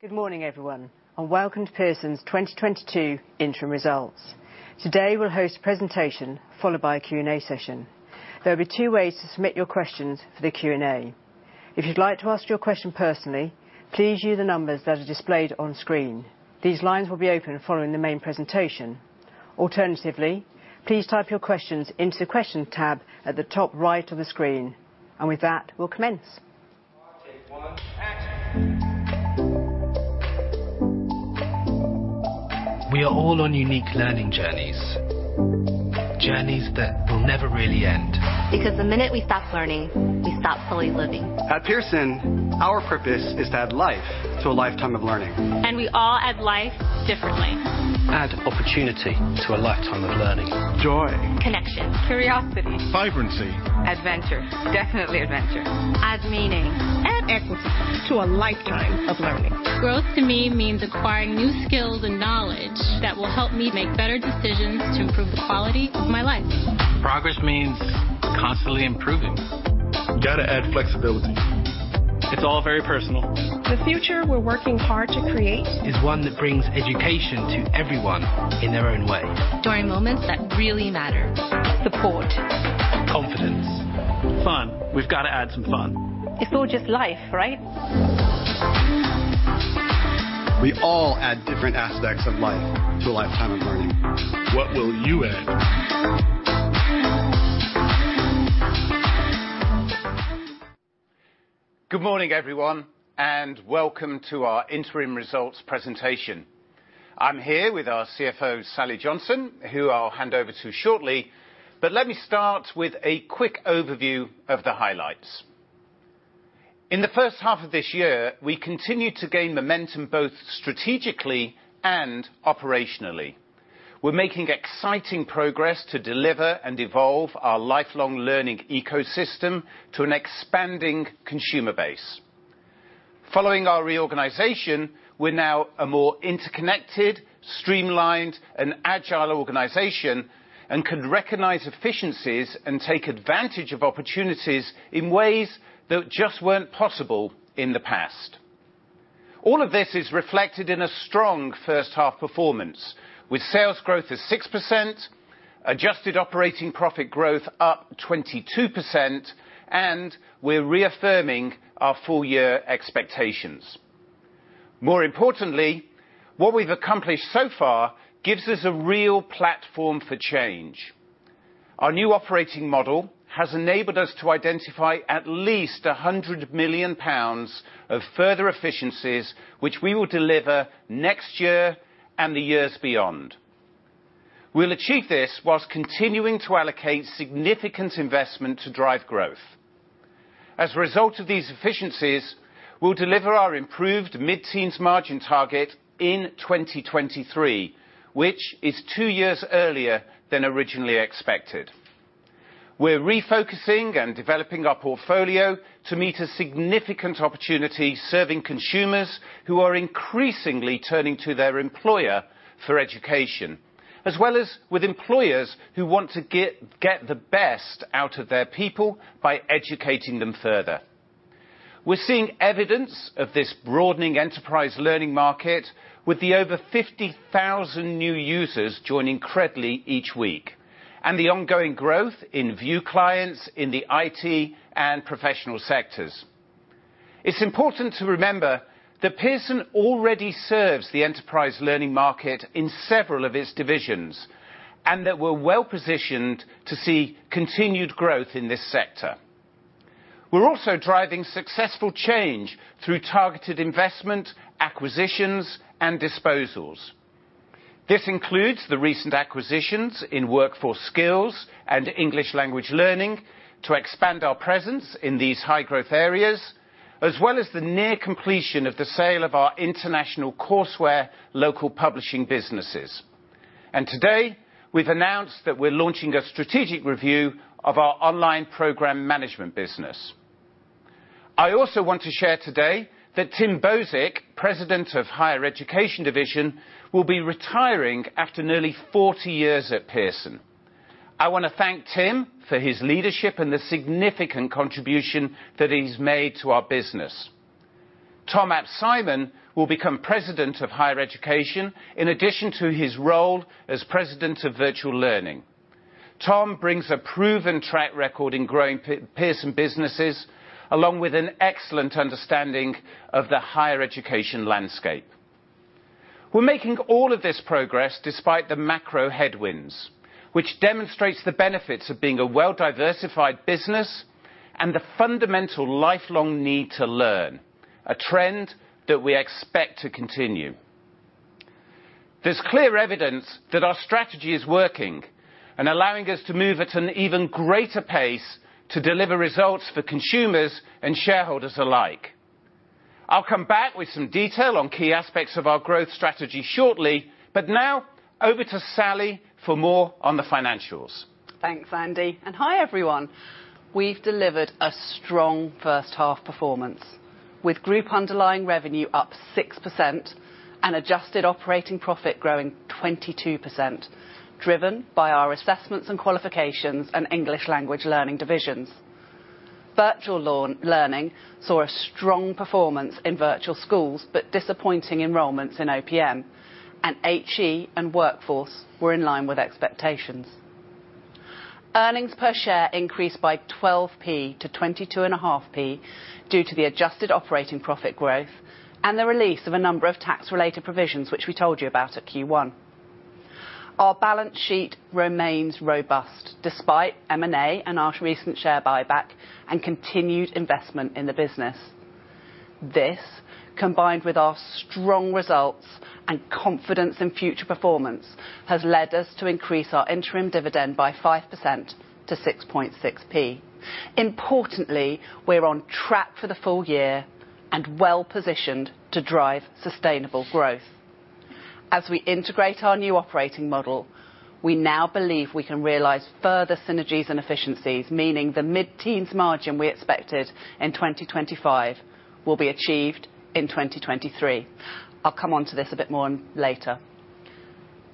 Good morning, everyone, and welcome to Pearson's 2022 Interim Results. Today, we'll host a presentation followed by a Q&A session. There will be two ways to submit your questions for the Q&A. If you'd like to ask your question personally, please use the numbers that are displayed on screen. These lines will be open following the main presentation. Alternatively, please type your questions into the Question tab at the top right of the screen. With that, we'll commence. Take one. Action. We are all on unique learning journeys. Journeys that will never really end. Because the minute we stop learning, we stop fully living. At Pearson, our purpose is to add life to a lifetime of learning. And, we all add life differently. Add opportunity to a lifetime of learning. Joy. Connection. Curiosity. Vibrancy. Adventure. Definitely adventure. Add meaning. Add equity. To a lifetime of learning. Growth to me means acquiring new skills and knowledge that will help me make better decisions to improve the quality of my life. Progress means constantly improving. You gotta add flexibility. It's all very personal. The future we're working hard to create. Is one that brings education to everyone in their own way. During moments that really matter. Support. Confidence. Fun. We've got to add some fun. It's all just life, right? We all add different aspects of life to a lifetime of learning. What will you add? Good morning, everyone, and welcome to our interim results presentation. I'm here with our CFO, Sally Johnson, who I'll hand over to shortly, but let me start with a quick overview of the highlights. In the first half of this year, we continued to gain momentum both strategically and operationally. We're making exciting progress to deliver and evolve our lifelong learning ecosystem to an expanding consumer base. Following our reorganization, we're now a more interconnected, streamlined, and agile organization, and can recognize efficiencies and take advantage of opportunities in ways that just weren't possible in the past. All of this is reflected in a strong first half performance with sales growth of 6%, adjusted operating profit growth up 22%, and we're reaffirming our full year expectations. More importantly, what we've accomplished so far gives us a real platform for change. Our new operating model has enabled us to identify at least 100 million pounds of further efficiencies, which we will deliver next year and the years beyond. We'll achieve this while continuing to allocate significant investment to drive growth. As a result of these efficiencies, we'll deliver our improved mid-teens margin target in 2023, which is two years earlier than originally expected. We're refocusing and developing our portfolio to meet a significant opportunity serving consumers who are increasingly turning to their employer for education, as well as with employers who want to get the best out of their people by educating them further. We're seeing evidence of this broadening enterprise learning market with the over 50,000 new users joining Credly each week and the ongoing growth in VUE clients in the IT and professional sectors. It's important to remember that Pearson already serves the enterprise learning market in several of its divisions, and that we're well-positioned to see continued growth in this sector. We're also driving successful change through targeted investment, acquisitions, and disposals. This includes the recent acquisitions in Workforce Skills and English Language Learning to expand our presence in these high-growth areas, as well as the near completion of the sale of our international courseware local publishing businesses. Today, we've announced that we're launching a strategic review of our online programme management business. I also want to share today that Tim Bozik, President of Higher Education Division, will be retiring after nearly 40 years at Pearson. I wanna thank Tim for his leadership and the significant contribution that he's made to our business. Tom ap Simon will become President of Higher Education in addition to his role as President of Virtual Learning. Tom brings a proven track record in growing Pearson businesses, along with an excellent understanding of the higher education landscape. We're making all of this progress despite the macro headwinds, which demonstrates the benefits of being a well-diversified business and the fundamental lifelong need to learn, a trend that we expect to continue. There's clear evidence that our strategy is working and allowing us to move at an even greater pace to deliver results for consumers and shareholders alike. I'll come back with some detail on key aspects of our growth strategy shortly, but now over to Sally for more on the financials. Thanks, Andy, and hi, everyone. We've delivered a strong first half performance with group underlying revenue up 6% and adjusted operating profit growing 22%, driven by our Assessments and Qualifications and English Language Learning divisions. Virtual Learning saw a strong performance in Virtual Schools, but disappointing enrolments in OPM. HE and Workforce were in line with expectations. Earnings per share increased by 0.12-0.225 due to the adjusted operating profit growth and the release of a number of tax-related provisions, which we told you about at Q1. Our balance sheet remains robust despite M&A and our recent share buyback and continued investment in the business. This, combined with our strong results and confidence in future performance, has led us to increase our interim dividend by 5% to 0.66. Importantly, we're on track for the full year and well-positioned to drive sustainable growth. As we integrate our new operating model, we now believe we can realize further synergies and efficiencies, meaning the mid-teens margin we expected in 2025 will be achieved in 2023. I'll come onto this a bit more later.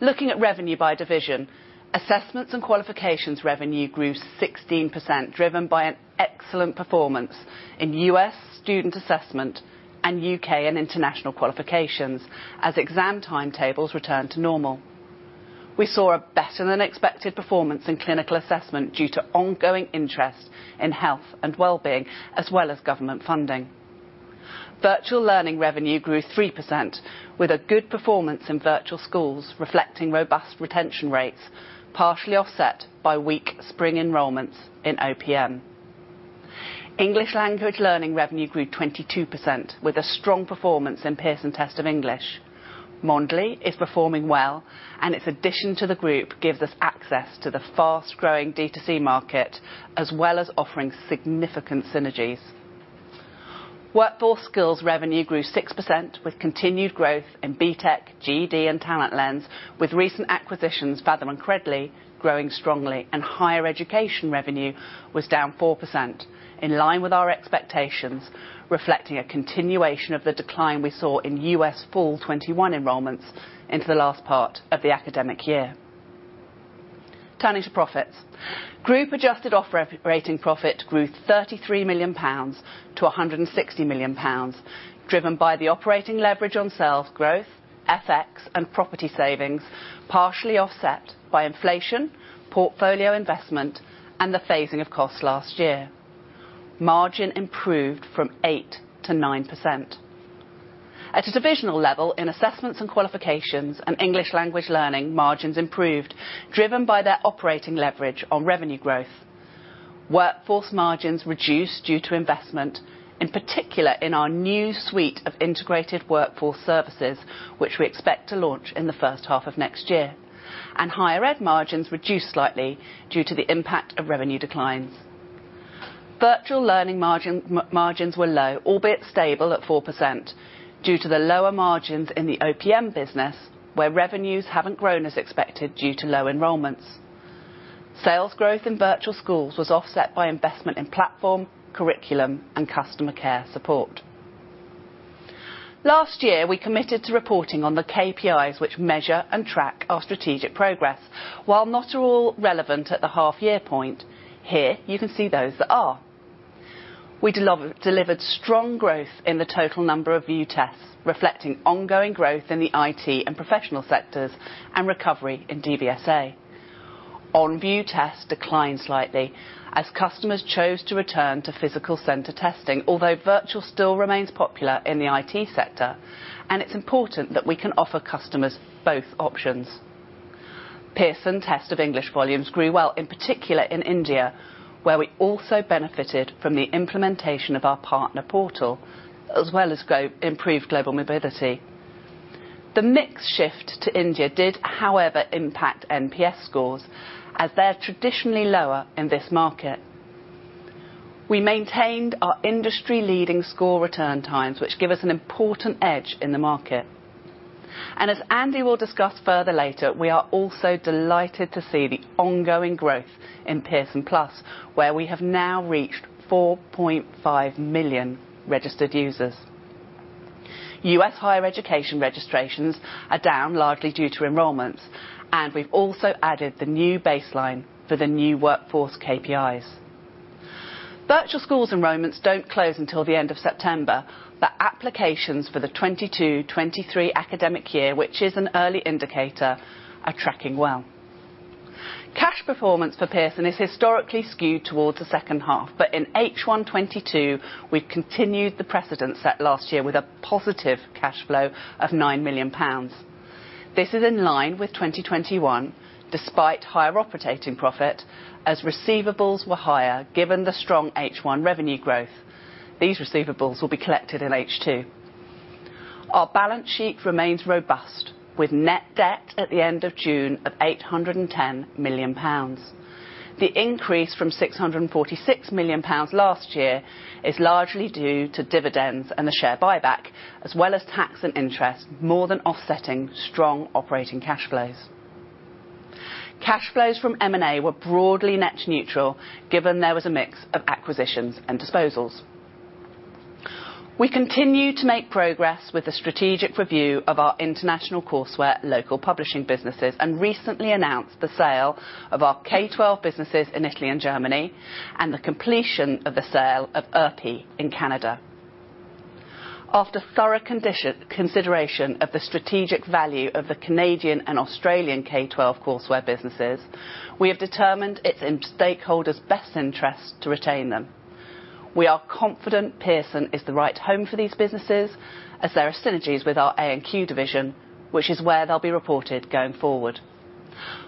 Looking at revenue by division, Assessments and Qualifications revenue grew 16%, driven by an excellent performance in US Student Assessment and UK & International Qualifications as exam timetables returned to normal. We saw a better-than-expected performance in Clinical Assessment due to ongoing interest in health and wellbeing as well as government funding. Virtual Learning revenue grew 3% with a good performance in Virtual Schools, reflecting robust retention rates, partially offset by weak spring enrolments in OPM. English Language Learning revenue grew 22% with a strong performance in Pearson Test of English. Mondly is performing well, and its addition to the group gives us access to the fast-growing D2C market, as well as offering significant synergies. Workforce Skills revenue grew 6% with continued growth in BTEC, GED, and TalentLens, with recent acquisitions Faethm and Credly growing strongly. Higher Education revenue was down 4%, in line with our expectations, reflecting a continuation of the decline we saw in U.S. fall 2021 enrolments into the last part of the academic year. Turning to profits. Group adjusted operating profit grew 33 million pounds to 160 million pounds, driven by the operating leverage on sales growth, FX, and property savings, partially offset by inflation, portfolio investment, and the phasing of costs last year. Margin improved from 8% to 9%. At a divisional level in Assessments and Qualifications and English Language Learning, margins improved, driven by their operating leverage on revenue growth. Workforce margins reduced due to investment, in particular in our new suite of integrated workforce services, which we expect to launch in the first half of next year. Higher Ed margins reduced slightly due to the impact of revenue declines. Virtual Learning margins were low, albeit stable at 4% due to the lower margins in the OPM business, where revenues haven't grown as expected due to low enrolments. Sales growth in Virtual Schools was offset by investment in platform, curriculum, and customer care support. Last year, we committed to reporting on the KPIs which measure and track our strategic progress. While not all relevant at the half-year point, here, you can see those that are. We delivered strong growth in the total number of VUE tests, reflecting ongoing growth in the IT and Professional sectors and recovery in DVSA. OnVUE tests declined slightly as customers chose to return to physical center testing, although virtual still remains popular in the IT sector, and it's important that we can offer customers both options. Pearson Test of English volumes grew well, in particular in India, where we also benefited from the implementation of our partner portal, as well as improved global mobility. The mix shift to India did, however, impact NPS scores as they're traditionally lower in this market. We maintained our industry-leading score return times, which give us an important edge in the market. As Andy will discuss further later, we are also delighted to see the ongoing growth in Pearson+, where we have now reached 4.5 million registered users. U.S. Higher Education registrations are down largely due to enrolments, and we've also added the new baseline for the new Workforce KPIs. Virtual Schools enrolments don't close until the end of September, but applications for the 2022-2023 academic year, which is an early indicator, are tracking well. Cash performance for Pearson is historically skewed towards the second half, but in H1 2022, we continued the precedent set last year with a positive cash flow of 9 million pounds. This is in line with 2021, despite higher operating profit, as receivables were higher given the strong H1 revenue growth. These receivables will be collected in H2. Our balance sheet remains robust, with net debt at the end of June of 810 million pounds. The increase from 646 million pounds last year is largely due to dividends and the share buyback as well as tax and interest, more than offsetting strong operating cash flows. Cash flows from M&A were broadly net neutral, given there was a mix of acquisitions and disposals. We continue to make progress with the strategic review of our international courseware local publishing businesses, and recently announced the sale of our K-12 businesses in Italy and Germany, and the completion of the sale of ERPI in Canada. After thorough consideration of the strategic value of the Canadian and Australian K-12 courseware businesses, we have determined it's in stakeholders' best interests to retain them. We are confident Pearson is the right home for these businesses as there are synergies with our A&Q division, which is where they'll be reported going forward.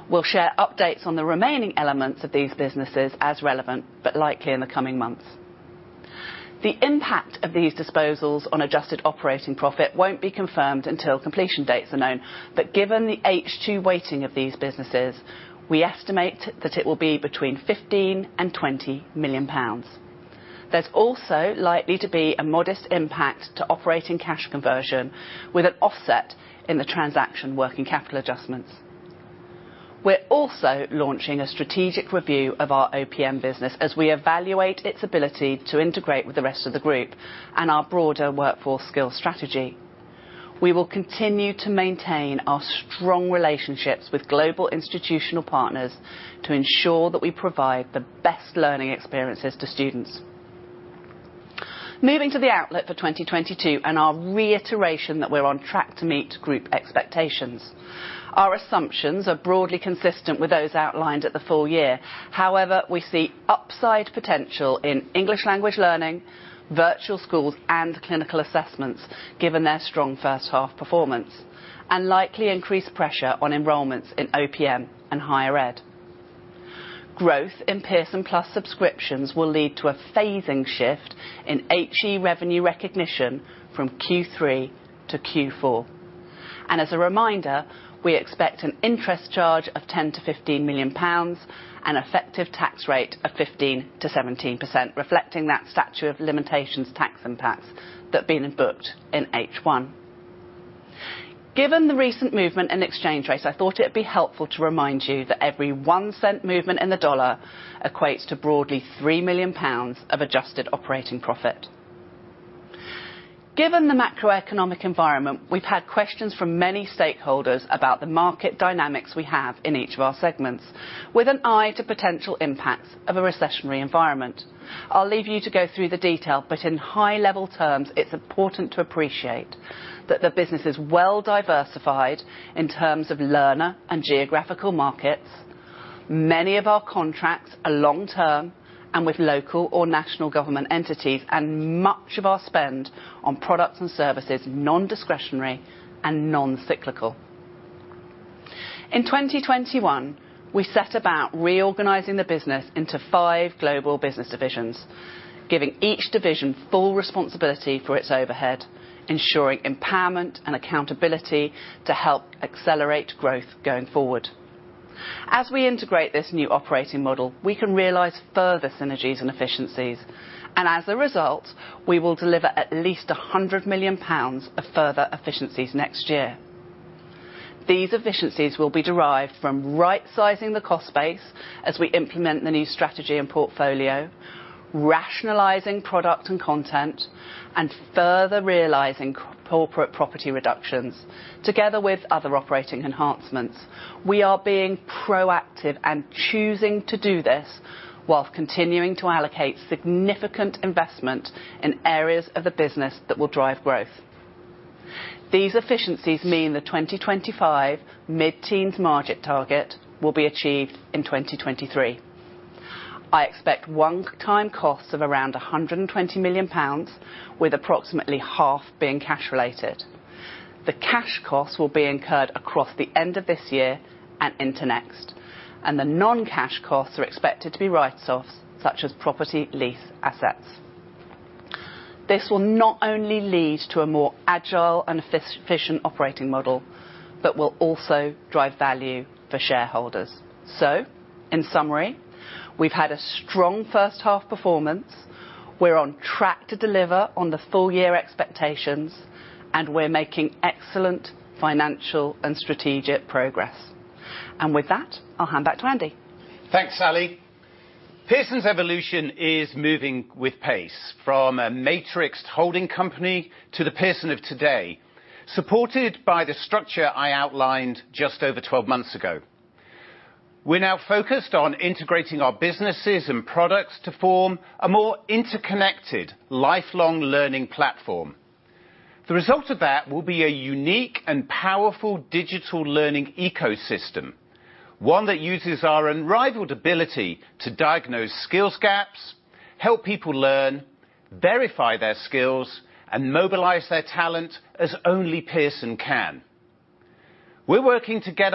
We'll share updates on the remaining elements of these businesses as relevant, but likely in the coming months. The impact of these disposals on adjusted operating profit won't be confirmed until completion dates are known. Given the H2 weighting of these businesses, we estimate that it will be between 15 million and 20 million pounds. There's also likely to be a modest impact to operating cash conversion, with an offset in the transaction working capital adjustments. We're also launching a strategic review of our OPM business as we evaluate its ability to integrate with the rest of the group and our broader Workforce Skills strategy. We will continue to maintain our strong relationships with global institutional partners to ensure that we provide the best learning experiences to students. Moving to the outlook for 2022 and our reiteration that we're on track to meet group expectations. Our assumptions are broadly consistent with those outlined at the full year. However, we see upside potential in English Language Learning, Virtual Schools, and Clinical Assessments, given their strong first half performance, and likely increased pressure on enrolments in OPM and Higher Ed. Growth in Pearson+ subscriptions will lead to a phasing shift in HE revenue recognition from Q3 to Q4. As a reminder, we expect an interest charge of 10 million-15 million pounds, an effective tax rate of 15%-17%, reflecting that statute of limitations tax impacts that have been booked in H1. Given the recent movement in exchange rates, I thought it'd be helpful to remind you that every $0.01 movement in the dollar equates to broadly 3 million pounds of adjusted operating profit. Given the macroeconomic environment, we've had questions from many stakeholders about the market dynamics we have in each of our segments, with an eye to potential impacts of a recessionary environment. I'll leave you to go through the detail, but in high-level terms, it's important to appreciate that the business is well diversified in terms of learner and geographical markets. Many of our contracts are long-term and with local or national government entities, and much of our spend on products and services, nondiscretionary and non-cyclical. In 2021, we set about reorganizing the business into five global business divisions, giving each division full responsibility for its overhead, ensuring empowerment and accountability to help accelerate growth going forward. As we integrate this new operating model, we can realize further synergies and efficiencies, and as a result, we will deliver at least 100 million pounds of further efficiencies next year. These efficiencies will be derived from right-sizing the cost base as we implement the new strategy and portfolio, rationalizing product and content, and further realizing corporate property reductions, together with other operating enhancements. We are being proactive and choosing to do this while continuing to allocate significant investment in areas of the business that will drive growth. These efficiencies mean the 2025 mid-teens margin target will be achieved in 2023. I expect one-time costs of around 120 million pounds, with approximately half being cash related. The cash costs will be incurred across the end of this year and into next, and the non-cash costs are expected to be write-offs, such as property lease assets. This will not only lead to a more agile and efficient operating model, but will also drive value for shareholders. So, in summary, we've had a strong first half performance, we're on track to deliver on the full year expectations, and we're making excellent financial and strategic progress. With that, I'll hand back to Andy. Thanks, Sally. Pearson's evolution is moving with pace from a matrixed holding company to the Pearson of today, supported by the structure I outlined just over 12 months ago. We're now focused on integrating our businesses and products to form a more interconnected lifelong learning platform. The result of that will be a unique and powerful digital learning ecosystem, one that uses our unrivaled ability to diagnose skills gaps, help people learn, verify their skills, and mobilize their talent as only Pearson can. We're working to get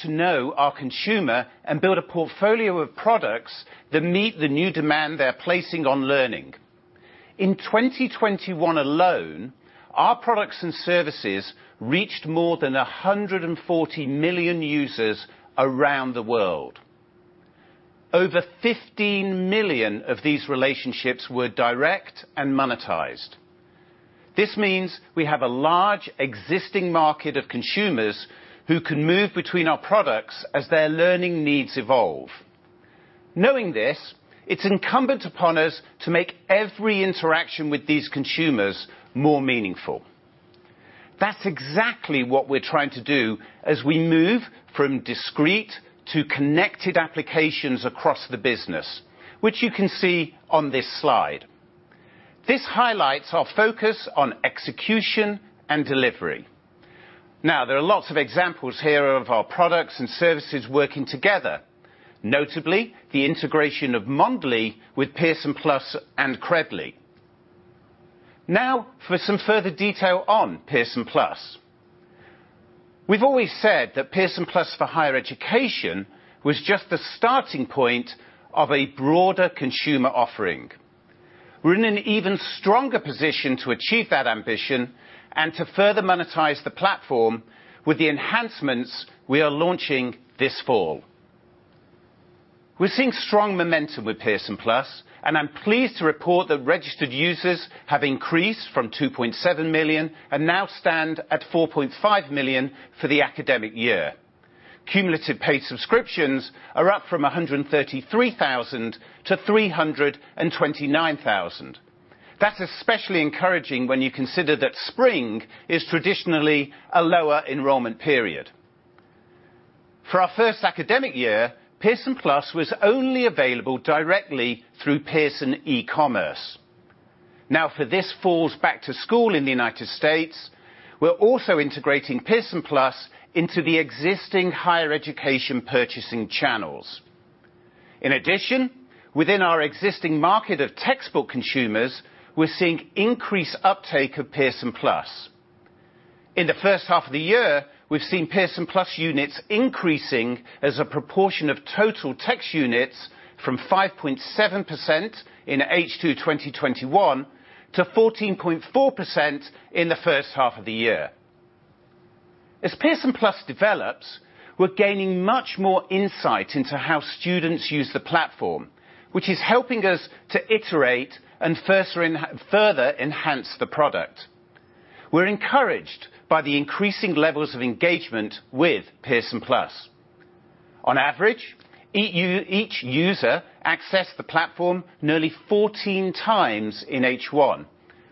to know our consumer and build a portfolio of products that meet the new demand they're placing on learning. In 2021 alone, our products and services reached more than 140 million users around the world. Over 15 million of these relationships were direct and monetized. This means we have a large existing market of consumers who can move between our products as their learning needs evolve. Knowing this, it's incumbent upon us to make every interaction with these consumers more meaningful. That's exactly what we're trying to do as we move from discrete to connected applications across the business, which you can see on this slide. This highlights our focus on execution and delivery. Now, there are lots of examples here of our products and services working together, notably the integration of Mondly with Pearson+ and Credly. Now for some further detail on Pearson+. We've always said that Pearson+ for Higher Education was just the starting point of a broader consumer offering. We're in an even stronger position to achieve that ambition and to further monetize the platform with the enhancements we are launching this fall. We're seeing strong momentum with Pearson+, and I'm pleased to report that registered users have increased from 2.7 million and now stand at 4.5 million for the academic year. Cumulative paid subscriptions are up from 133,000 to 329,000. That's especially encouraging when you consider that spring is traditionally a lower enrolment period. For our first academic year, Pearson+ was only available directly through Pearson e-commerce. Now, for this fall's back to school in the United States, we're also integrating Pearson+ into the existing higher education purchasing channels. In addition, within our existing market of textbook consumers, we're seeing increased uptake of Pearson+. In the first half of the year, we've seen Pearson+ units increasing as a proportion of total text units from 5.7% in H2 2021 to 14.4% in the first half of the year. As Pearson+ develops, we're gaining much more insight into how students use the platform, which is helping us to iterate and further enhance the product. We're encouraged by the increasing levels of engagement with Pearson+. On average, each user accessed the platform nearly 14x in H1,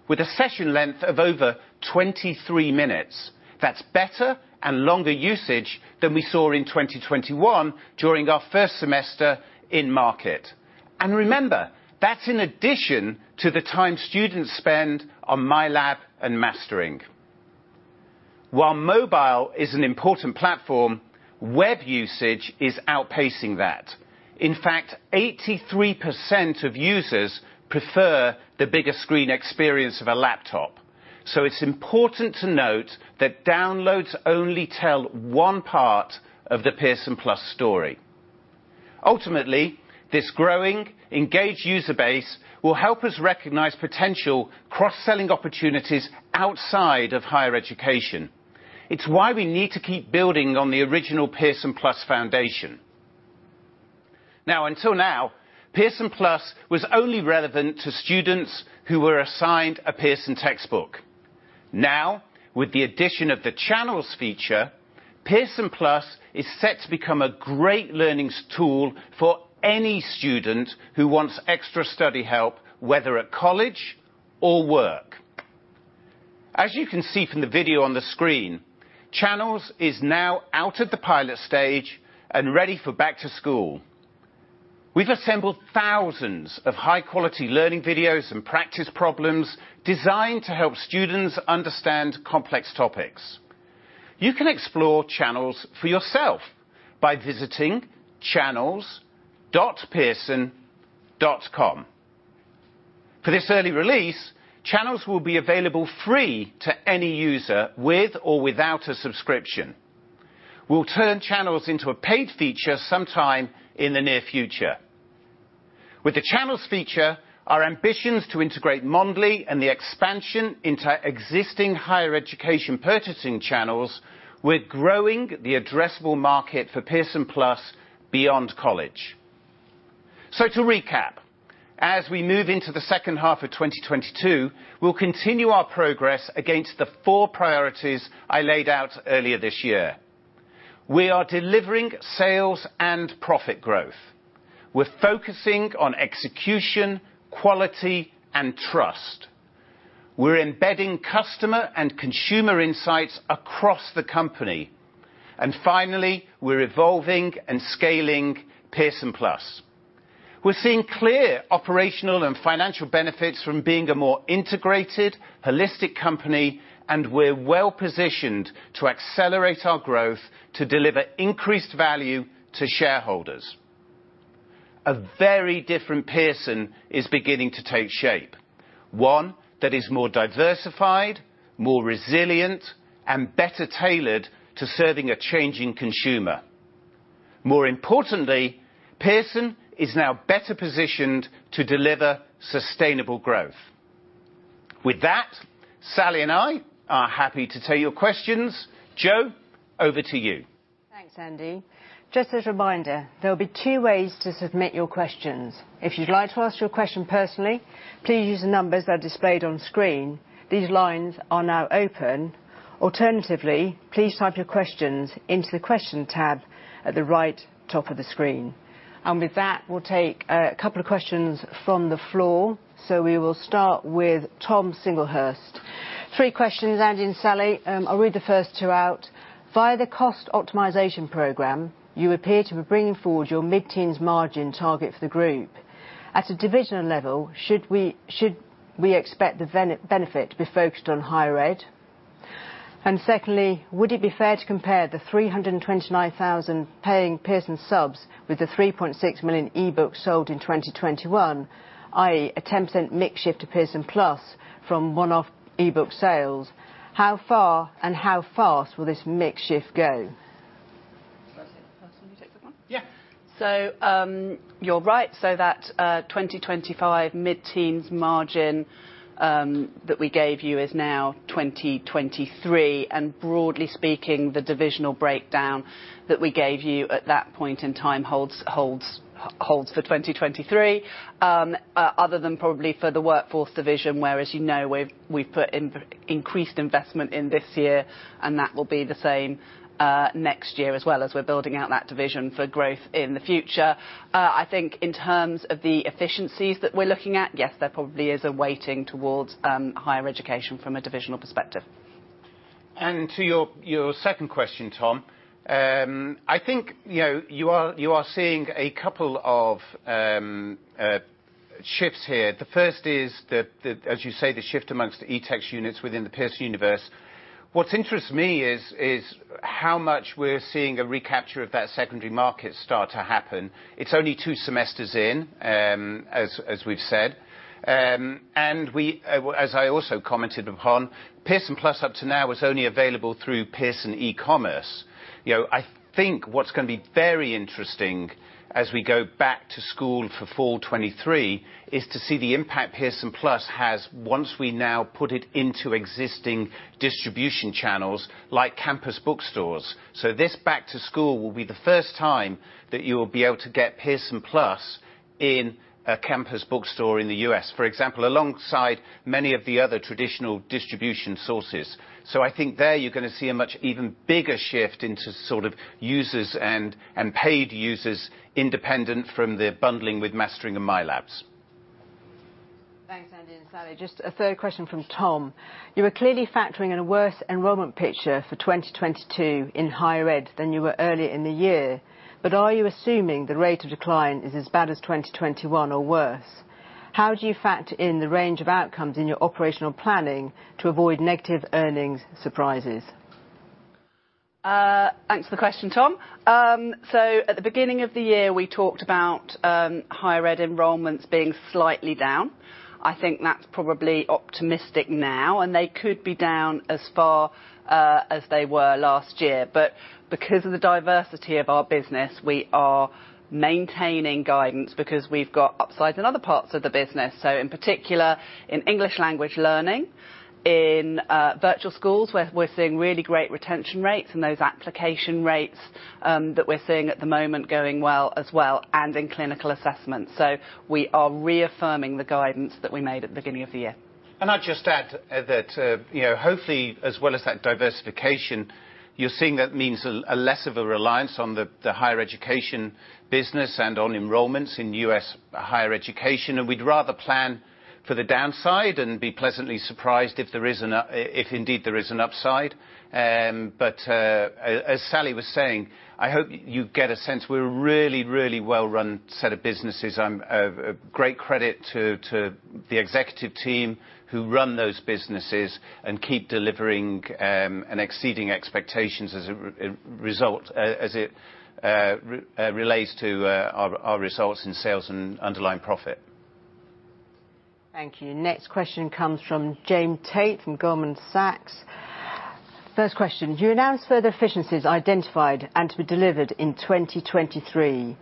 with a session length of over 23 minutes. That's better and longer usage than we saw in 2021 during our first semester in market. Remember, that's in addition to the time students spend on MyLab and Mastering. While mobile is an important platform, web usage is outpacing that. In fact, 83% of users prefer the bigger screen experience of a laptop. It's important to note that downloads only tell one part of the Pearson+ story. Ultimately, this growing, engaged user base will help us recognize potential cross-selling opportunities outside of higher education. It's why we need to keep building on the original Pearson+ foundation. Now, until now, Pearson+ was only relevant to students who were assigned a Pearson textbook. Now, with the addition of the Channels feature, Pearson+ is set to become a great learning tool for any student who wants extra study help, whether at college or work. As you can see from the video on the screen, Channels is now out of the pilot stage and ready for back to school. We've assembled thousands of high-quality learning videos and practice problems designed to help students understand complex topics. You can explore Channels for yourself by visiting channels.pearson.com. For this early release, Channels will be available free to any user with or without a subscription. We'll turn Channels into a paid feature sometime in the near future. With the Channels feature, our ambitions to integrate Mondly and the expansion into existing higher education purchasing channels, we're growing the addressable market for Pearson+ beyond college. To recap, as we move into the second half of 2022, we'll continue our progress against the four priorities I laid out earlier this year. We are delivering sales and profit growth. We're focusing on execution, quality and trust. We're embedding customer and consumer insights across the company. Finally, we're evolving and scaling Pearson+. We're seeing clear operational and financial benefits from being a more integrated, holistic company, and we're well-positioned to accelerate our growth to deliver increased value to shareholders. A very different Pearson is beginning to take shape. One that is more diversified, more resilient, and better tailored to serving a changing consumer. More importantly, Pearson is now better positioned to deliver sustainable growth. With that, Sally and I are happy to take your questions. Jo, over to you. Thanks, Andy. Just as a reminder, there will be two ways to submit your questions. If you'd like to ask your question personally, please use the numbers that are displayed on screen. These lines are now open. Alternatively, please type your questions into the Question tab at the right top of the screen. With that, we'll take a couple of questions from the floor. We will start with Tom Singlehurst. Three questions, Andy and Sally. I'll read the first two out. Via the cost optimization program, you appear to be bringing forward your mid-teens margin target for the group. At a divisional level, should we expect the benefit to be focused on Higher Ed? And secondly, would it be fair to compare the 329,000 paying Pearson subs with the 3.6 million e-books sold in 2021, i.e. attempts in mix shift to Pearson+ from one-off e-book sales? How far and how fast will this mix shift go? Shall I take the first one, you take the second one? Yeah. You're right. That 2025 mid-teens margin that we gave you is now 2023. Broadly speaking, the divisional breakdown that we gave you at that point in time holds for 2023. Other than probably for the Workforce division, where as you know, we've put in increased investment in this year, and that will be the same next year as well as we're building out that division for growth in the future. I think in terms of the efficiencies that we're looking at, yes, there probably is a weighting towards Higher Education from a divisional perspective. To your second question, Tom. I think, you know, you are seeing a couple of shifts here. The first is the, as you say, the shift among the eText units within the Pearson universe. What interests me is how much we're seeing a recapture of that secondary market start to happen. It's only two semesters in, as we've said. As I also commented upon, Pearson+ up to now is only available through Pearson e-commerce. You know, I think what's gonna be very interesting as we go back-to-school for fall 2023 is to see the impact Pearson+ has once we now put it into existing distribution channels like campus bookstores. This back-to-school will be the first time that you will be able to get Pearson+ in a campus bookstore in the U.S., for example, alongside many of the other traditional distribution sources. I think there you're gonna see a much even bigger shift into sort of users and paid users independent from the bundling with Mastering and MyLab. Thanks, Andy and Sally. Just a third question from Tom. You are clearly factoring in a worse enrolment picture for 2022 in Higher Ed than you were earlier in the year, but are you assuming the rate of decline is as bad as 2021 or worse? How do you factor in the range of outcomes in your operational planning to avoid negative earnings surprises? Thanks for the question, Tom. At the beginning of the year, we talked about higher ed enrolments being slightly down. I think that's probably optimistic now, and they could be down as far as they were last year. Because of the diversity of our business, we are maintaining guidance because we've got upsides in other parts of the business. In particular in English Language Learning, in Virtual Schools, we're seeing really great retention rates and those application rates that we're seeing at the moment going well as well and in Clinical Assessments. We are reaffirming the guidance that we made at the beginning of the year. And I'd just add that, you know, hopefully, as well as that diversification, you're seeing that means a less of a reliance on the Higher Education business and on enrolments in U.S. higher education. We'd rather plan for the downside and be pleasantly surprised if indeed there is an upside. As Sally was saying, I hope you get a sense we're a really, really well-run set of businesses. A great credit to the executive team who run those businesses and keep delivering, and exceeding expectations as a result, as it relates to our results in sales and underlying profit. Thank you. Next question comes from James Tate from Goldman Sachs. First question, you announced further efficiencies identified and to be delivered in 2023.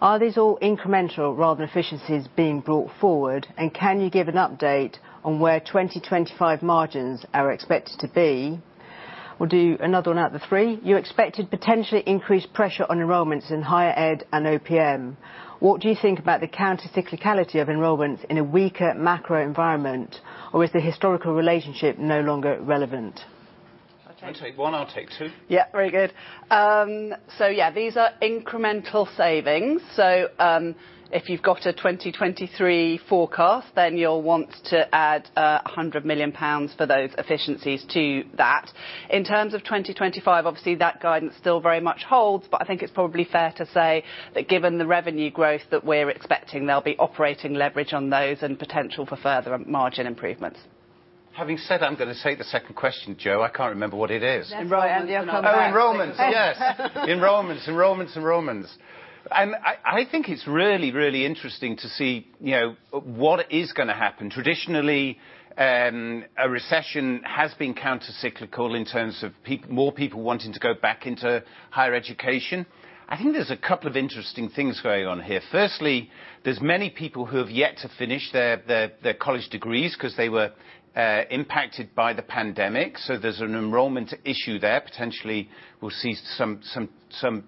Are these all incremental rather than efficiencies being brought forward? Can you give an update on where 2025 margins are expected to be? We'll do another one out of the three. You expected potentially increased pressure on enrolments in Higher Ed and OPM. What do you think about the counter-cyclicality of enrolments in a weaker macro environment, or is the historical relationship no longer relevant? I'll take. You take one, I'll take two. Yeah, very good. These are incremental savings. If you've got a 2023 forecast, then you'll want to add 100 million pounds for those efficiencies to that. In terms of 2025, obviously, that guidance still very much holds, but I think it's probably fair to say that given the revenue growth that we're expecting, there'll be operating leverage on those and potential for further margin improvements. Having said, I'm gonna take the second question, Jo. I can't remember what it is. Enrolment and- Oh, enrolments. Yes. Enrolments, enrolments, enrolments. I think it's really, really interesting to see, you know, what is gonna happen. Traditionally, a recession has been counter-cyclical in terms of more people wanting to go back into higher education. I think there's a couple of interesting things going on here. Firstly, there's many people who have yet to finish their college degrees 'cause they were impacted by the pandemic, so there's an enrolment issue there. Potentially we'll see some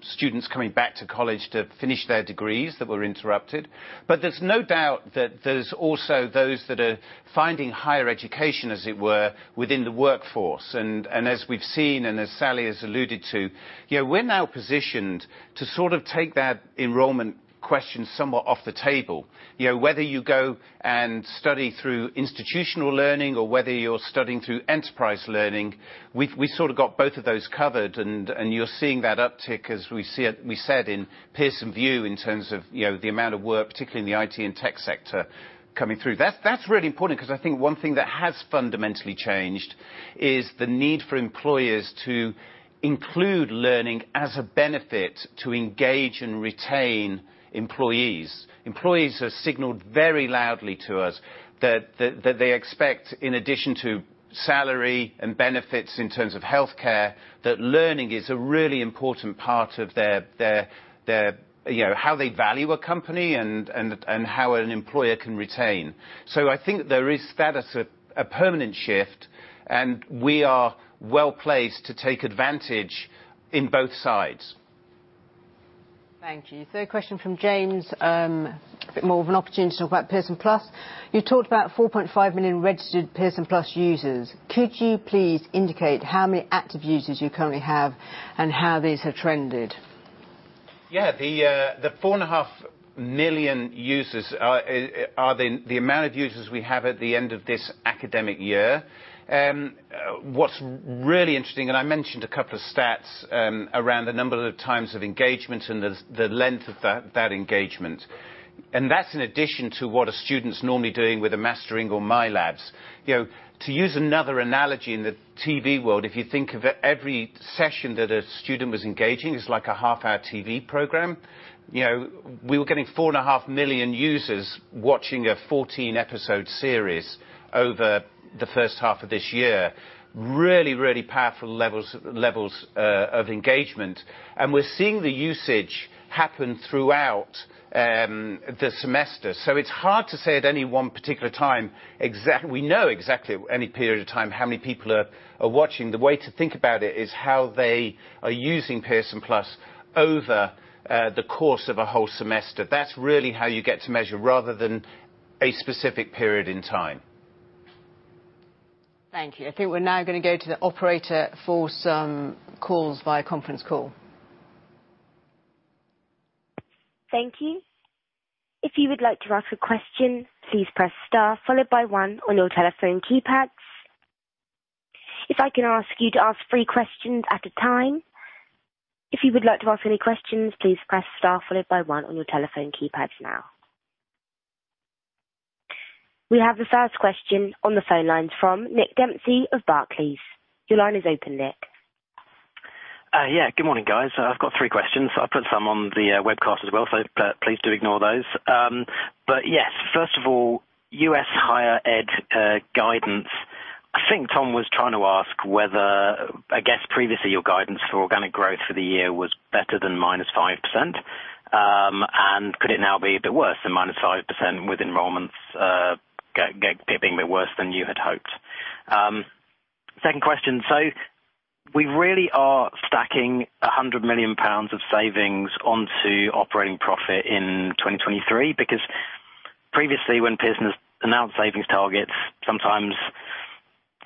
students coming back to college to finish their degrees that were interrupted. But there's no doubt that there's also those that are finding higher education, as it were, within the workforce. As we've seen, and as Sally has alluded to, you know, we're now positioned to sort of take that enrolment question somewhat off the table. You know, whether you go and study through institutional learning or whether you're studying through enterprise learning, we've sorta got both of those covered, and you're seeing that uptick as we see it. We said in Pearson VUE in terms of, you know, the amount of work, particularly in the IT and tech sector coming through. That's really important 'cause I think one thing that has fundamentally changed is the need for employers to include learning as a benefit to engage and retain employees. Employees have signaled very loudly to us that they expect, in addition to salary and benefits in terms of healthcare, that learning is a really important part of their You know, how they value a company and how an employer can retain. I think there is status of a permanent shift, and we are well-placed to take advantage in both sides. Thank you. Third question from James, more of an opportunity to talk about Pearson+. You talked about 4.5 million registered Pearson+ users. Could you please indicate how many active users you currently have and how these have trended? Yeah. The 4.5 million users are the amount of users we have at the end of this academic year. What's really interesting, and I mentioned a couple of stats around the number of times of engagement and the length of that engagement, and that's in addition to what a student's normally doing with a Mastering or MyLab. You know, to use another analogy in the TV world, if you think of every session that a student was engaging as like a half-hour TV program, you know, we were getting 4.5 million users watching a 14-episode series over the first half of this year. Really powerful levels of engagement. We're seeing the usage happen throughout the semester. It's hard to say at any one particular time. We know exactly at any period of time how many people are watching. The way to think about it is how they are using Pearson+ over the course of a whole semester. That's really how you get to measure rather than a specific period in time. Thank you. I think we're now gonna go to the operator for some calls via conference call. Thank you. If you would like to ask a question, please press star followed by one on your telephone keypads. If I can ask you to ask three questions at a time. If you would like to ask any questions, please press star followed by one on your telephone keypads now. We have the first question on the phone lines from Nick Dempsey of Barclays. Your line is open, Nick. Yeah. Good morning, guys. I've got three questions. I've put some on the webcast as well, so please do ignore those. Yes, first of all, U.S. Higher Ed guidance, I think Tom was trying to ask whether I guess previously your guidance for organic growth for the year was better than -5%, and could it now be a bit worse than -5% with enrolments getting a bit worse than you had hoped? Second question. We really are stacking 100 million pounds of savings onto operating profit in 2023? Because previously when Pearson's announced savings targets, sometimes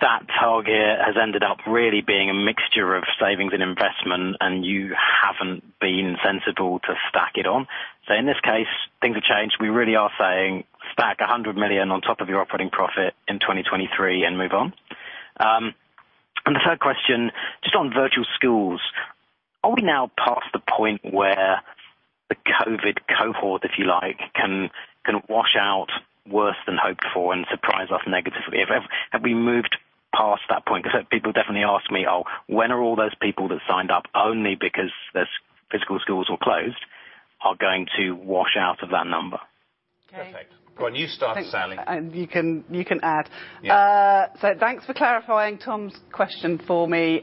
that target has ended up really being a mixture of savings and investment, and you haven't been sensible to stack it on. In this case, things have changed. We really are saying stack 100 million on top of your operating profit in 2023 and move on. The third question, just on Virtual Schools. Are we now past the point where the COVID cohort, if you like, can wash out worse than hoped for and surprise us negatively? Have we moved past that point? 'Cause people definitely ask me, "Oh, when are all those people that signed up only because the physical schools were closed are going to wash out of that number? Perfect. Go on, you start, Sally. Thanks. You can add. Yeah. Thanks for clarifying Tom's question for me,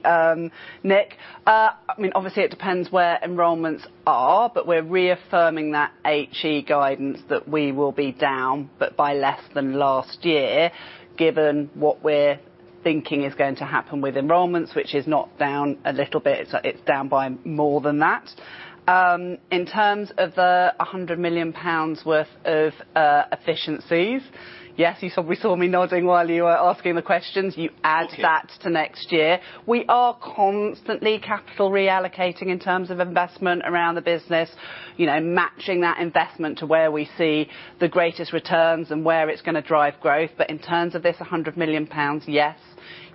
Nick. I mean, obviously it depends where enrolments are, but we're reaffirming that HE guidance that we will be down, but by less than last year, given what we're thinking is going to happen with enrolments, which is not down a little bit, it's down by more than that. In terms of the 100 million pounds worth of efficiencies, yes, you saw me nodding while you were asking the questions. You add that to next year. We are constantly capital reallocating in terms of investment around the business, you know, matching that investment to where we see the greatest returns and where it's gonna drive growth. But in terms of this 100 million pounds, yes,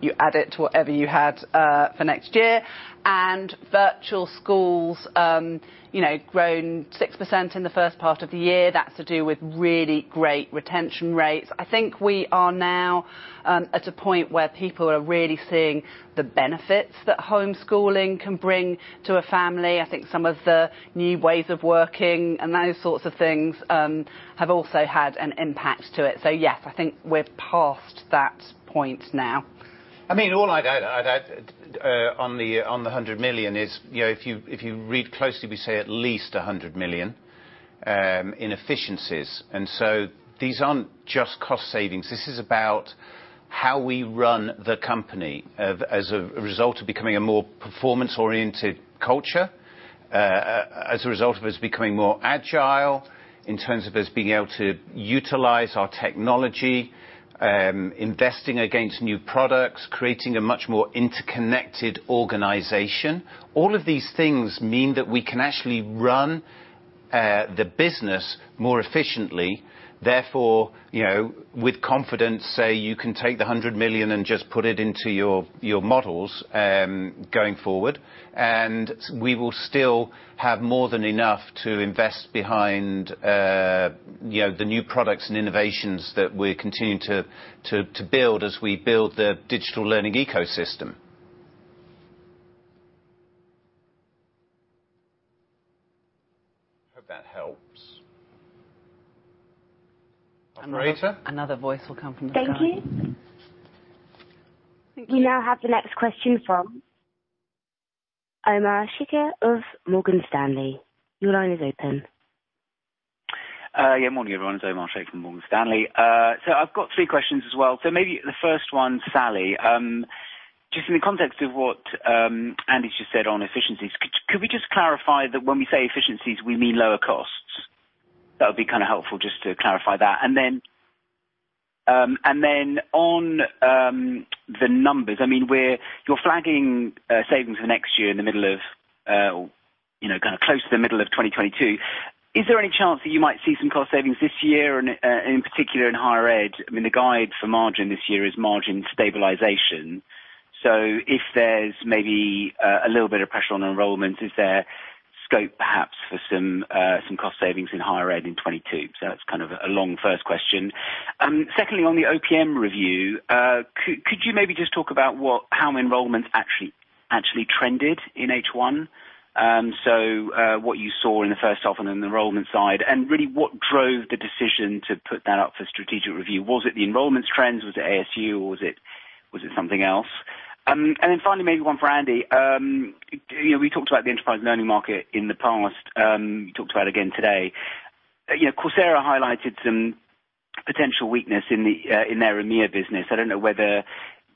you add it to whatever you had for next year. And Virtual Schools, you know, grown 6% in the first part of the year. That's to do with really great retention rates. I think we are now, at a point where people are really seeing the benefits that homeschooling can bring to a family. I think some of the new ways of working and those sorts of things, have also had an impact to it. Yes, I think we're past that point now. I mean, all I'd add on the 100 million is, you know, if you read closely, we say at least 100 million in efficiencies. These aren't just cost savings. This is about how we run the company. As a result of becoming a more performance-oriented culture, as a result of us becoming more agile in terms of us being able to utilize our technology, investing against new products, creating a much more interconnected organization. All of these things mean that we can actually run the business more efficiently. Therefore, you know, with confidence, say, you can take the 100 million and just put it into your models going forward. We will still have more than enough to invest behind, you know, the new products and innovations that we're continuing to build as we build the digital learning ecosystem. Hope that helps. Operator? Another voice will come from the line. Thank you. We now have the next question from Omar Sheikh of Morgan Stanley. Your line is open. Morning, everyone. It's Omar Sheikh from Morgan Stanley. I've got three questions as well. Maybe the first one, Sally. Just in the context of what Andy just said on efficiencies, could we just clarify that when we say efficiencies, we mean lower costs? That would be kind of helpful just to clarify that. Then on the numbers, I mean, you're flagging savings for next year in the middle of, you know, kind of close to the middle of 2022. Is there any chance that you might see some cost savings this year and in particular in Higher Ed? I mean, the guide for margin this year is margin stabilization. If there's maybe a little bit of pressure on enrolment, is there scope perhaps for some cost savings in Higher Ed in 2022? That's kind of a long first question. Secondly, on the OPM review, could you maybe just talk about how enrolment actually trended in H1, what you saw in the first half on an enrolment side, and really what drove the decision to put that up for strategic review? Was it the enrolment trends? Was it ASU, or was it something else? Then finally, maybe one for Andy. You know, we talked about the enterprise learning market in the past. You talked about it again today. You know, Coursera highlighted some potential weakness in their EMEA business. I don't know whether,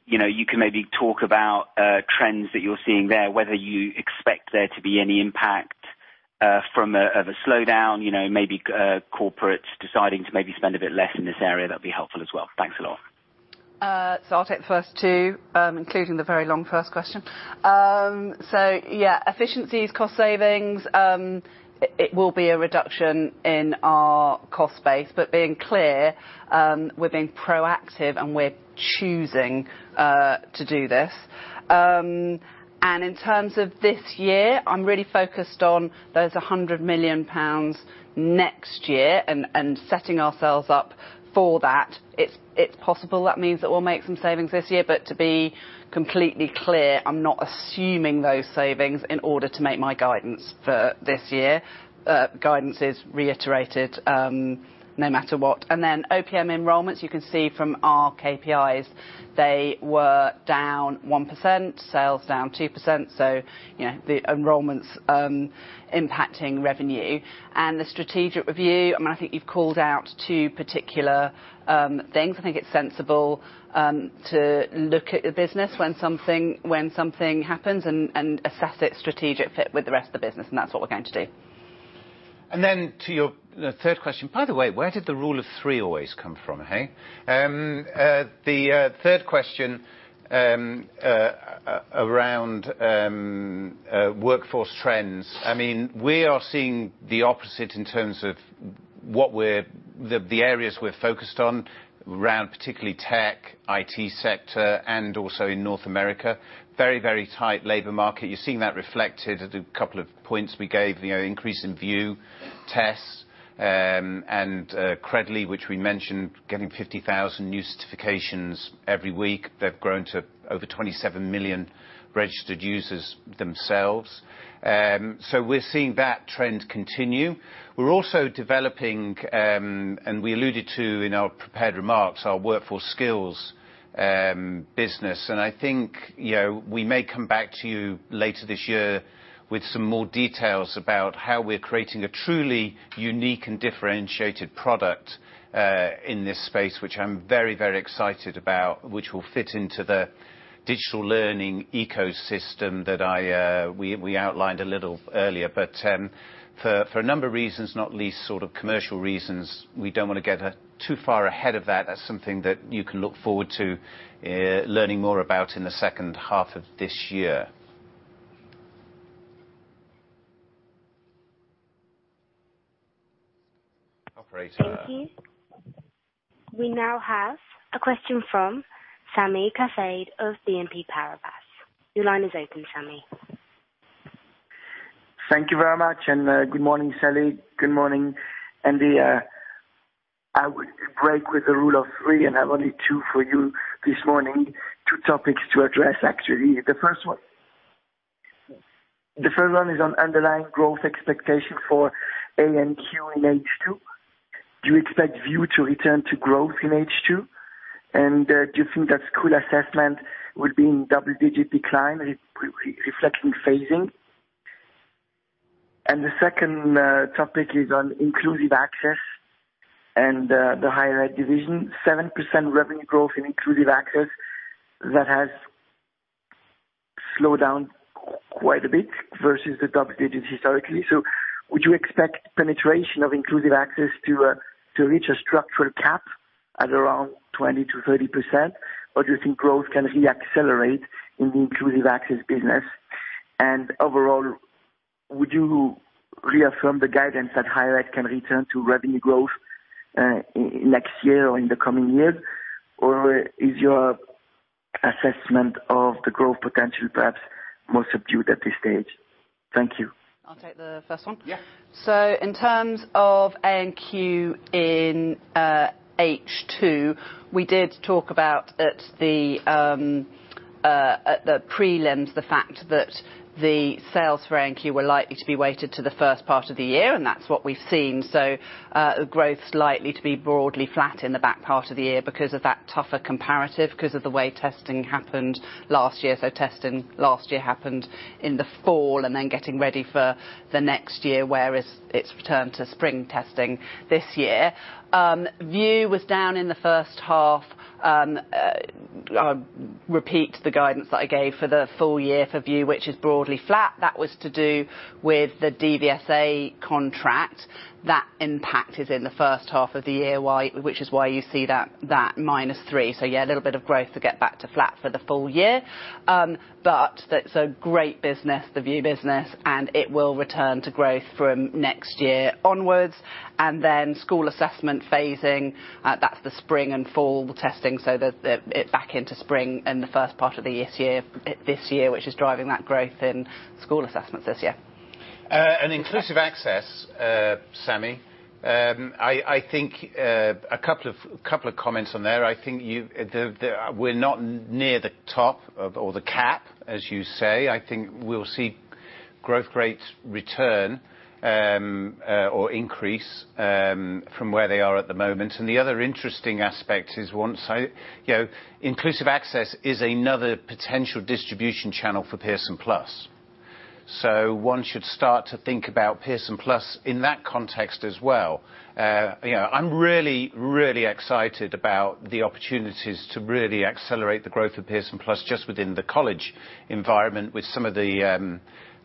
you know, you can maybe talk about trends that you're seeing there, whether you expect there to be any impact from a slowdown, you know, maybe corporates deciding to maybe spend a bit less in this area. That'd be helpful as well. Thanks a lot. I'll take the first two, including the very long first question. Yeah, efficiencies, cost savings, it will be a reduction in our cost base, but being clear, we're being proactive, and we're choosing to do this. In terms of this year, I'm really focused on those 100 million pounds next year and setting ourselves up for that. It's possible that means that we'll make some savings this year, but to be completely clear, I'm not assuming those savings in order to make my guidance for this year. Guidance is reiterated, no matter what. Then OPM enrolments, you can see from our KPIs, they were down 1%, sales down 2%, so, you know, the enrolments impacting revenue. The strategic review, I mean, I think you've called out two particular things. I think it's sensible to look at the business when something happens and assess its strategic fit with the rest of the business, and that's what we're going to do. To your the third question. By the way, where did the rule of three always come from, hey? The third question around workforce trends. I mean, we are seeing the opposite in terms of the areas we're focused on around particularly tech, IT sector and also in North America. Very, very tight labor market. You're seeing that reflected at a couple of points we gave, you know, increase in VUE, tests and Credly, which we mentioned, getting 50,000 new certifications every week. They've grown to over 27 million registered users themselves. We're seeing that trend continue. We're also developing, and we alluded to in our prepared remarks, our Workforce Skills business. I think, you know, we may come back to you later this year with some more details about how we're creating a truly unique and differentiated product in this space, which I'm very, very excited about, which will fit into the digital learning ecosystem that we outlined a little earlier. For a number of reasons, not least sort of commercial reasons, we don't wanna get too far ahead of that. That's something that you can look forward to, learning more about in the second half of this year. Operator? Thank you. We now have a question from Sami Kassab of BNP Paribas. Your line is open, Sami. Thank you very much. Good morning, Sally. Good morning, Andy. I would break with the rule of three, and I have only two for you this morning. Two topics to address, actually. The first one is on underlying growth expectation for A&Q in H2. Do you expect VUE to return to growth in H2? Do you think that school assessment will be in double-digit decline reflecting phasing? The second topic is on Inclusive Access and the Higher Ed division. 7% revenue growth in Inclusive Access, that has slowed down quite a bit versus the double digits historically. Would you expect penetration of Inclusive Access to reach a structural cap at around 20%-30%? Or do you think growth can re-accelerate in the Inclusive Access business? Overall, would you reaffirm the guidance that Higher Ed can return to revenue growth, next year or in the coming years? Or is your assessment of the growth potential perhaps more subdued at this stage? Thank you. I'll take the first one. Yeah. In terms of A&Q in H2, we did talk about at the prelims the fact that the sales for A&Q were likely to be weighted to the first part of the year, and that's what we've seen. Growth's likely to be broadly flat in the back part of the year because of that tougher comparative because of the way testing happened last year. Testing last year happened in the fall and then getting ready for the next year, whereas it's returned to spring testing this year. VUE was down in the first half. I'll repeat the guidance that I gave for the full year for VUE, which is broadly flat. That was to do with the DVSA contract. That impact is in the first half of the year, which is why you see that -3%. Yeah, a little bit of growth to get back to flat for the full year. That's a great business, the VUE business, and it will return to growth from next year onwards. School assessment phasing, that's the spring and fall testing. It's back into spring in the first part of the year this year, which is driving that growth in school assessments this year. And Inclusive Access, Sami, I think a couple of comments on there. I think we're not near the top of or the cap, as you say. I think we'll see growth rates return or increase from where they are at the moment. The other interesting aspect is one so. You know, Inclusive Access is another potential distribution channel for Pearson+. So one should start to think about Pearson+ in that context as well. You know, I'm really, really excited about the opportunities to really accelerate the growth of Pearson+ just within the college environment with some of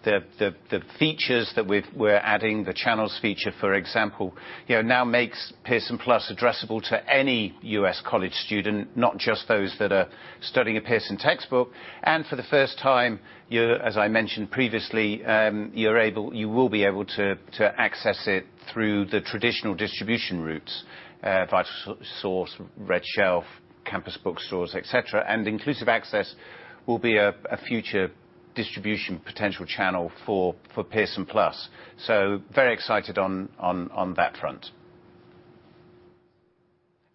the features that we're adding. The Channels feature, for example, you know, now makes Pearson+ addressable to any U.S. college student, not just those that are studying a Pearson textbook. For the first time, as I mentioned previously, you will be able to access it through the traditional distribution routes, VitalSource, RedShelf, campus bookstores, et cetera. Inclusive Access will be a future distribution potential channel for Pearson+. Very excited on that front.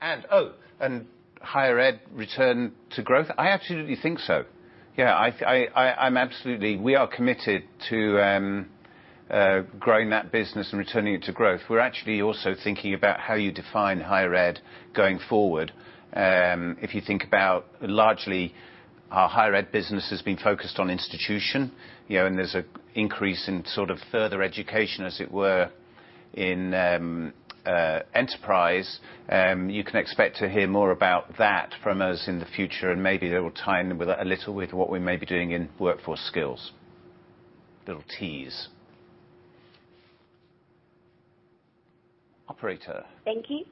And Higher Ed return to growth? I absolutely think so. Yeah, we are committed to growing that business and returning it to growth. We're actually also thinking about how you define Higher Ed going forward. If you think about largely our Higher Ed business has been focused on institution, you know, and there's an increase in sort of further education, as it were, in enterprise. You can expect to hear more about that from us in the future, and maybe that will tie in with a little what we may be doing in Workforce Skills. Little tease. Operator. Thank you.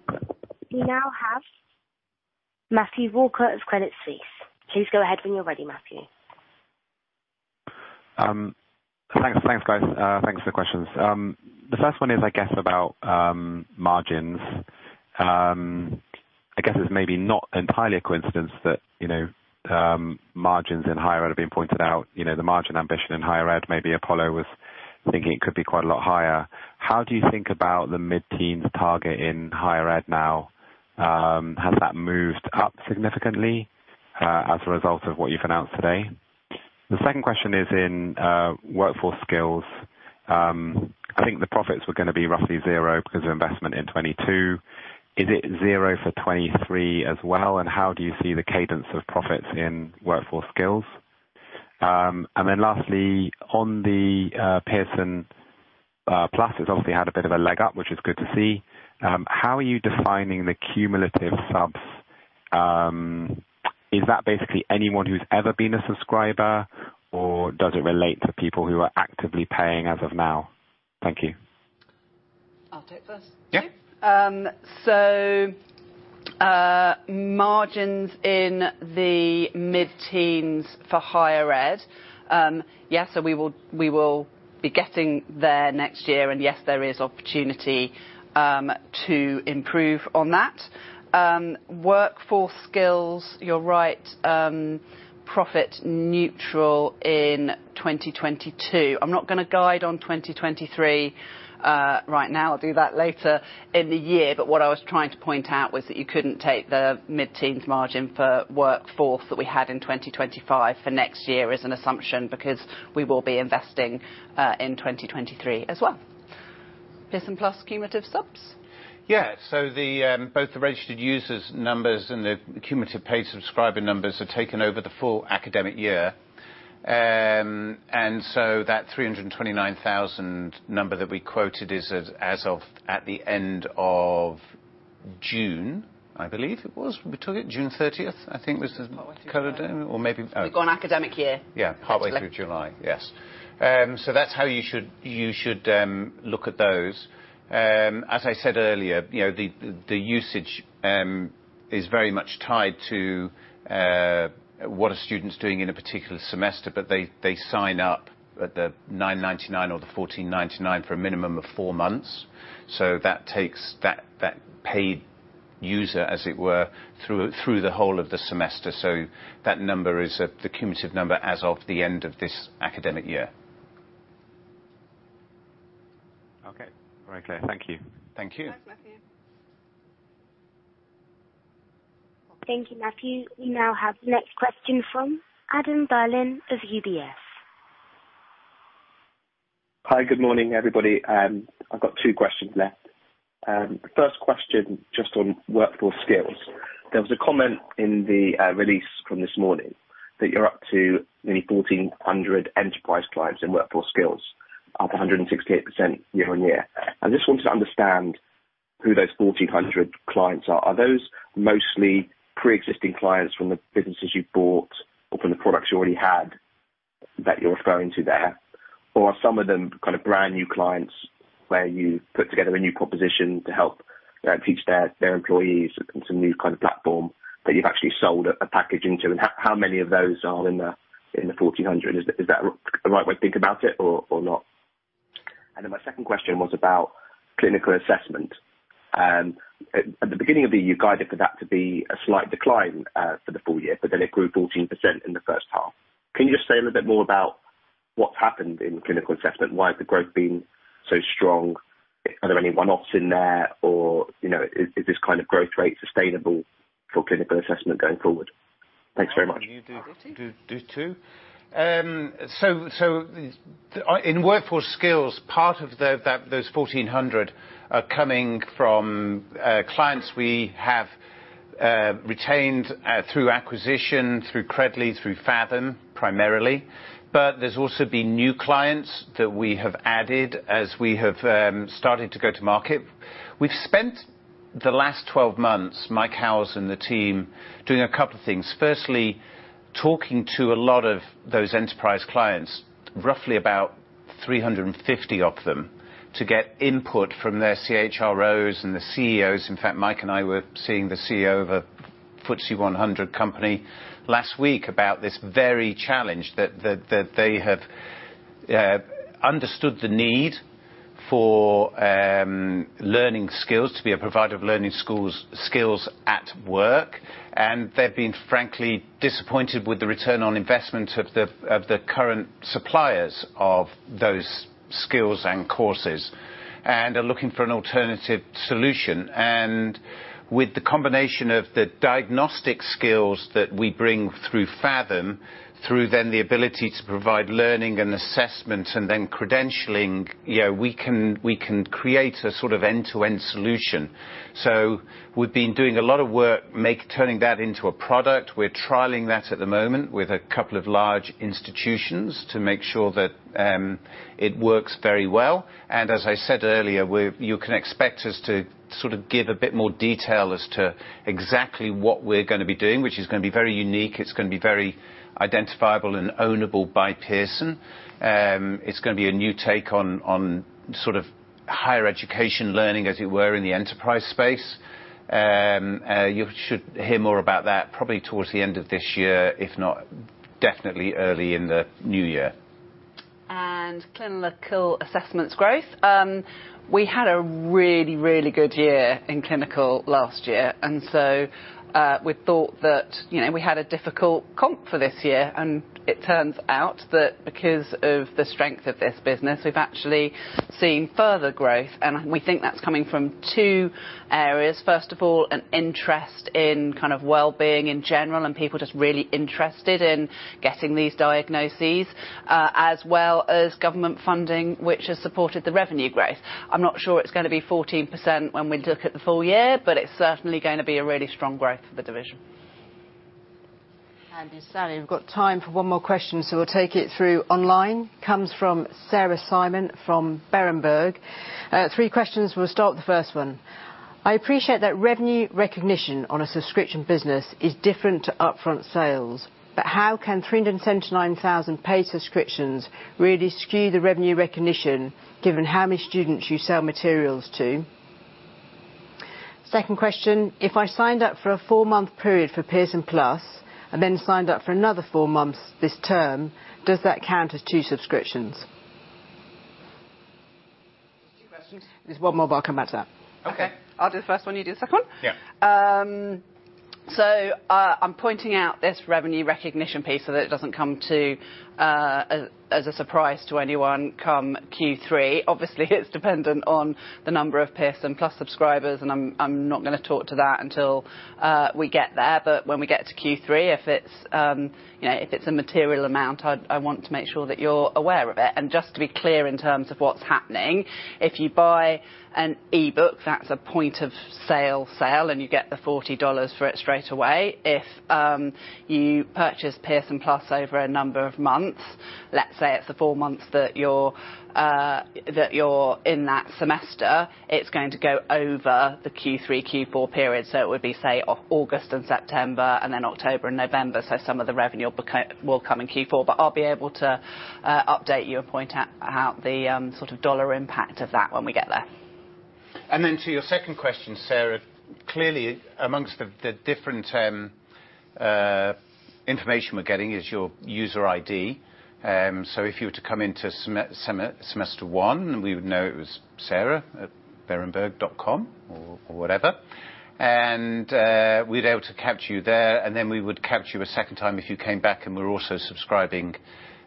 We now have Matthew Walker at Credit Suisse. Please go ahead when you're ready, Matthew. Thanks. Thanks, guys. Thanks for the questions. The first one is, I guess, about margins. I guess it's maybe not entirely a coincidence that, you know, margins in Higher Ed have been pointed out, you know, the margin ambition in Higher Ed, maybe Apollo was thinking it could be quite a lot higher. How do you think about the mid-teens target in Higher Ed now? Has that moved up significantly, as a result of what you've announced today? The second question is in, Workforce Skills. I think the profits were gonna be roughly zero because of investment in 2022. Is it zero for 2023 as well, and how do you see the cadence of profits in Workforce Skills? Lastly, on the Pearson+, it's obviously had a bit of a leg up, which is good to see. How are you defining the cumulative subs? Is that basically anyone who's ever been a subscriber, or does it relate to people who are actively paying as of now? Thank you. I'll take first. Yeah. So, margins in the mid-teens for Higher Ed. Yeah, we will be getting there next year, and yes, there is opportunity to improve on that. Workforce Skills, you're right. Profit neutral in 2022. I'm not gonna guide on 2023 right now. I'll do that later in the year. What I was trying to point out was that you couldn't take the mid-teens margin for Workforce that we had in 2025 for next year as an assumption, because we will be investing in 2023 as well. Pearson+ cumulative subs? Both the registered users numbers and the cumulative paid subscriber numbers are taken over the full academic year. That 329,000 number that we quoted is as of the end of June, I believe. We took it June 30th, I think was the current day or maybe- We've gone academic year. Yeah. Select. Halfway through July, yes. That's how you should look at those. As I said earlier, you know, the usage is very much tied to what a student's doing in a particular semester, but they sign up at the 9.99 or the 14.99 for a minimum of four months. That takes that paid user, as it were, through the whole of the semester. That number is the cumulative number as of the end of this academic year. Okay. Very clear. Thank you. Thank you. Thanks, Matthew. Thank you, Matthew. We now have the next question from Adam Berlin of UBS. Hi, good morning, everybody. I've got two questions left. The first question, just on Workforce Skills. There was a comment in the release from this morning that you're up to nearly 1,400 enterprise clients in Workforce Skills, up 168% year-on-year. I just wanted to understand who those 1,400 clients are. Are those mostly pre-existing clients from the businesses you bought or from the products you already had that you're referring to there? Or are some of them kind of brand new clients where you put together a new proposition to help teach their employees some new kind of platform that you've actually sold a package into? And how many of those are in the 1,400? Is that the right way to think about it or not? My second question was about Clinical Assessment. At the beginning of the year, you guided for that to be a slight decline for the full year, but then it grew 14% in the first half. Can you just say a little bit more about what's happened in Clinical Assessment? Why has the growth been so strong? Are there any one-offs in there or, you know, is this kind of growth rate sustainable for Clinical Assessment going forward? Thanks very much. You do two. So, in Workforce Skills, part of those 1,400 are coming from clients we have retained through acquisition, through Credly, through Faethm, primarily. There's also been new clients that we have added as we have started to go to market. We've spent the last 12 months, Mike Howells and the team, doing a couple of things. Firstly, talking to a lot of those enterprise clients, roughly about 350 of them, to get input from their CHROs and the CEOs. In fact, Mike and I were seeing the CEO of a FTSE 100 company last week about this very challenge. That they have understood the need for learning skills to be a provider of learning skills at work. They've been, frankly, disappointed with the return on investment of the current suppliers of those skills and courses, and are looking for an alternative solution. And with the combination of the diagnostic skills that we bring through Faethm, through then the ability to provide learning and assessment and then credentialing, you know, we can create a sort of end-to-end solution. We've been doing a lot of work turning that into a product. We're trialing that at the moment with a couple of large institutions to make sure that it works very well. As I said earlier, you can expect us to sort of give a bit more detail as to exactly what we're gonna be doing, which is gonna be very unique. It's gonna be very identifiable and ownable by Pearson. It's gonna be a new take on sort of higher education learning, as it were, in the enterprise space. You should hear more about that probably toward the end of this year, if not, definitely early in the new year. Clinical Assessments growth. We had a really, really good year in Clinical last year. We thought that, you know, we had a difficult comp for this year, and it turns out that because of the strength of this business, we've actually seen further growth. We think that's coming from two areas. First of all, an interest in kind of wellbeing in general, and people just really interested in getting these diagnoses, as well as government funding, which has supported the revenue growth. I'm not sure it's gonna be 14% when we look at the full year, but it's certainly gonna be a really strong growth for the division. Andy and Sally, we've got time for one more question, so we'll take it through online. Comes from Sarah Simon from Berenberg. Three questions. We'll start with the first one. I appreciate that revenue recognition on a subscription business is different to upfront sales, but how can 379,000 paid subscriptions really skew the revenue recognition given how many students you sell materials to? Second question. If I signed up for a four-month period for Pearson+ and then signed up for another four months this term, does that count as two subscriptions? There's two questions. There's one more, but I'll come back to that. Okay. I'll do the first one. You do the second one. Yeah. I'm pointing out this revenue recognition piece so that it doesn't come as a surprise to anyone come Q3. Obviously, it's dependent on the number of Pearson+ subscribers, and I'm not gonna talk to that until we get there. When we get to Q3, if it's, you know, if it's a material amount, I want to make sure that you're aware of it. Just to be clear in terms of what's happening, if you buy an e-book, that's a point of sale, sale, and you get the $40 for it straight away. If you purchase Pearson+ over a number of months, let's say it's the four months that you're in that semester, it's going to go over the Q3, Q4 period. It would be, say, August and September, and then October and November. Some of the revenue will come in Q4. I'll be able to update you and point out the sort of dollar impact of that when we get there. Then to your second question, Sarah, clearly among the different information we're getting is your user ID. So if you were to come into semester one, we would know it was sarah@berenberg.com or whatever. We'd be able to capture you there, and then we would capture you a second time if you came back and were also subscribing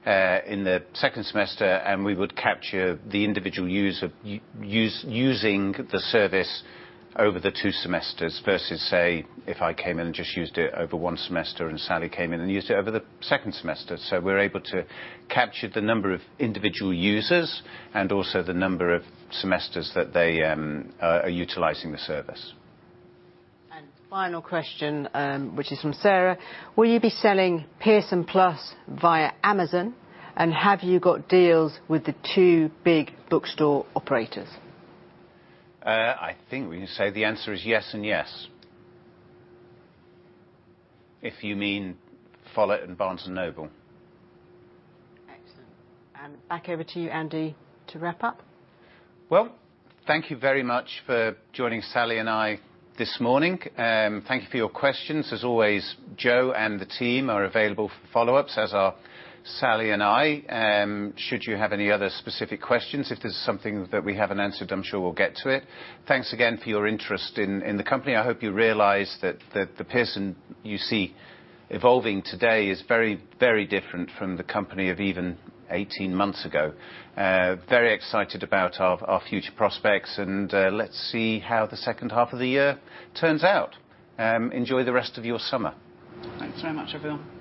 in the second semester, and we would capture the individual user use, using the service over the two semesters versus, say, if I came in and just used it over one semester, and Sally came in and used it over the second semester. We're able to capture the number of individual users and also the number of semesters that they are utilizing the service. Final question, which is from Sarah. Will you be selling Pearson+ via Amazon, and have you got deals with the two big bookstore operators? I think we can say the answer is yes and yes. If you mean Follett and Barnes & Noble. Excellent. Back over to you, Andy, to wrap up. Well, thank you very much for joining Sally and I this morning. Thank you for your questions. As always, Jo and the team are available for follow-ups, as are Sally and I. Should you have any other specific questions, if there's something that we haven't answered, I'm sure we'll get to it. Thanks again for your interest in the company. I hope you realize that the Pearson you see evolving today is very, very different from the company of even 18 months ago. Very excited about our future prospects, and let's see how the second half of the year turns out. Enjoy the rest of your summer. Thanks very much, everyone.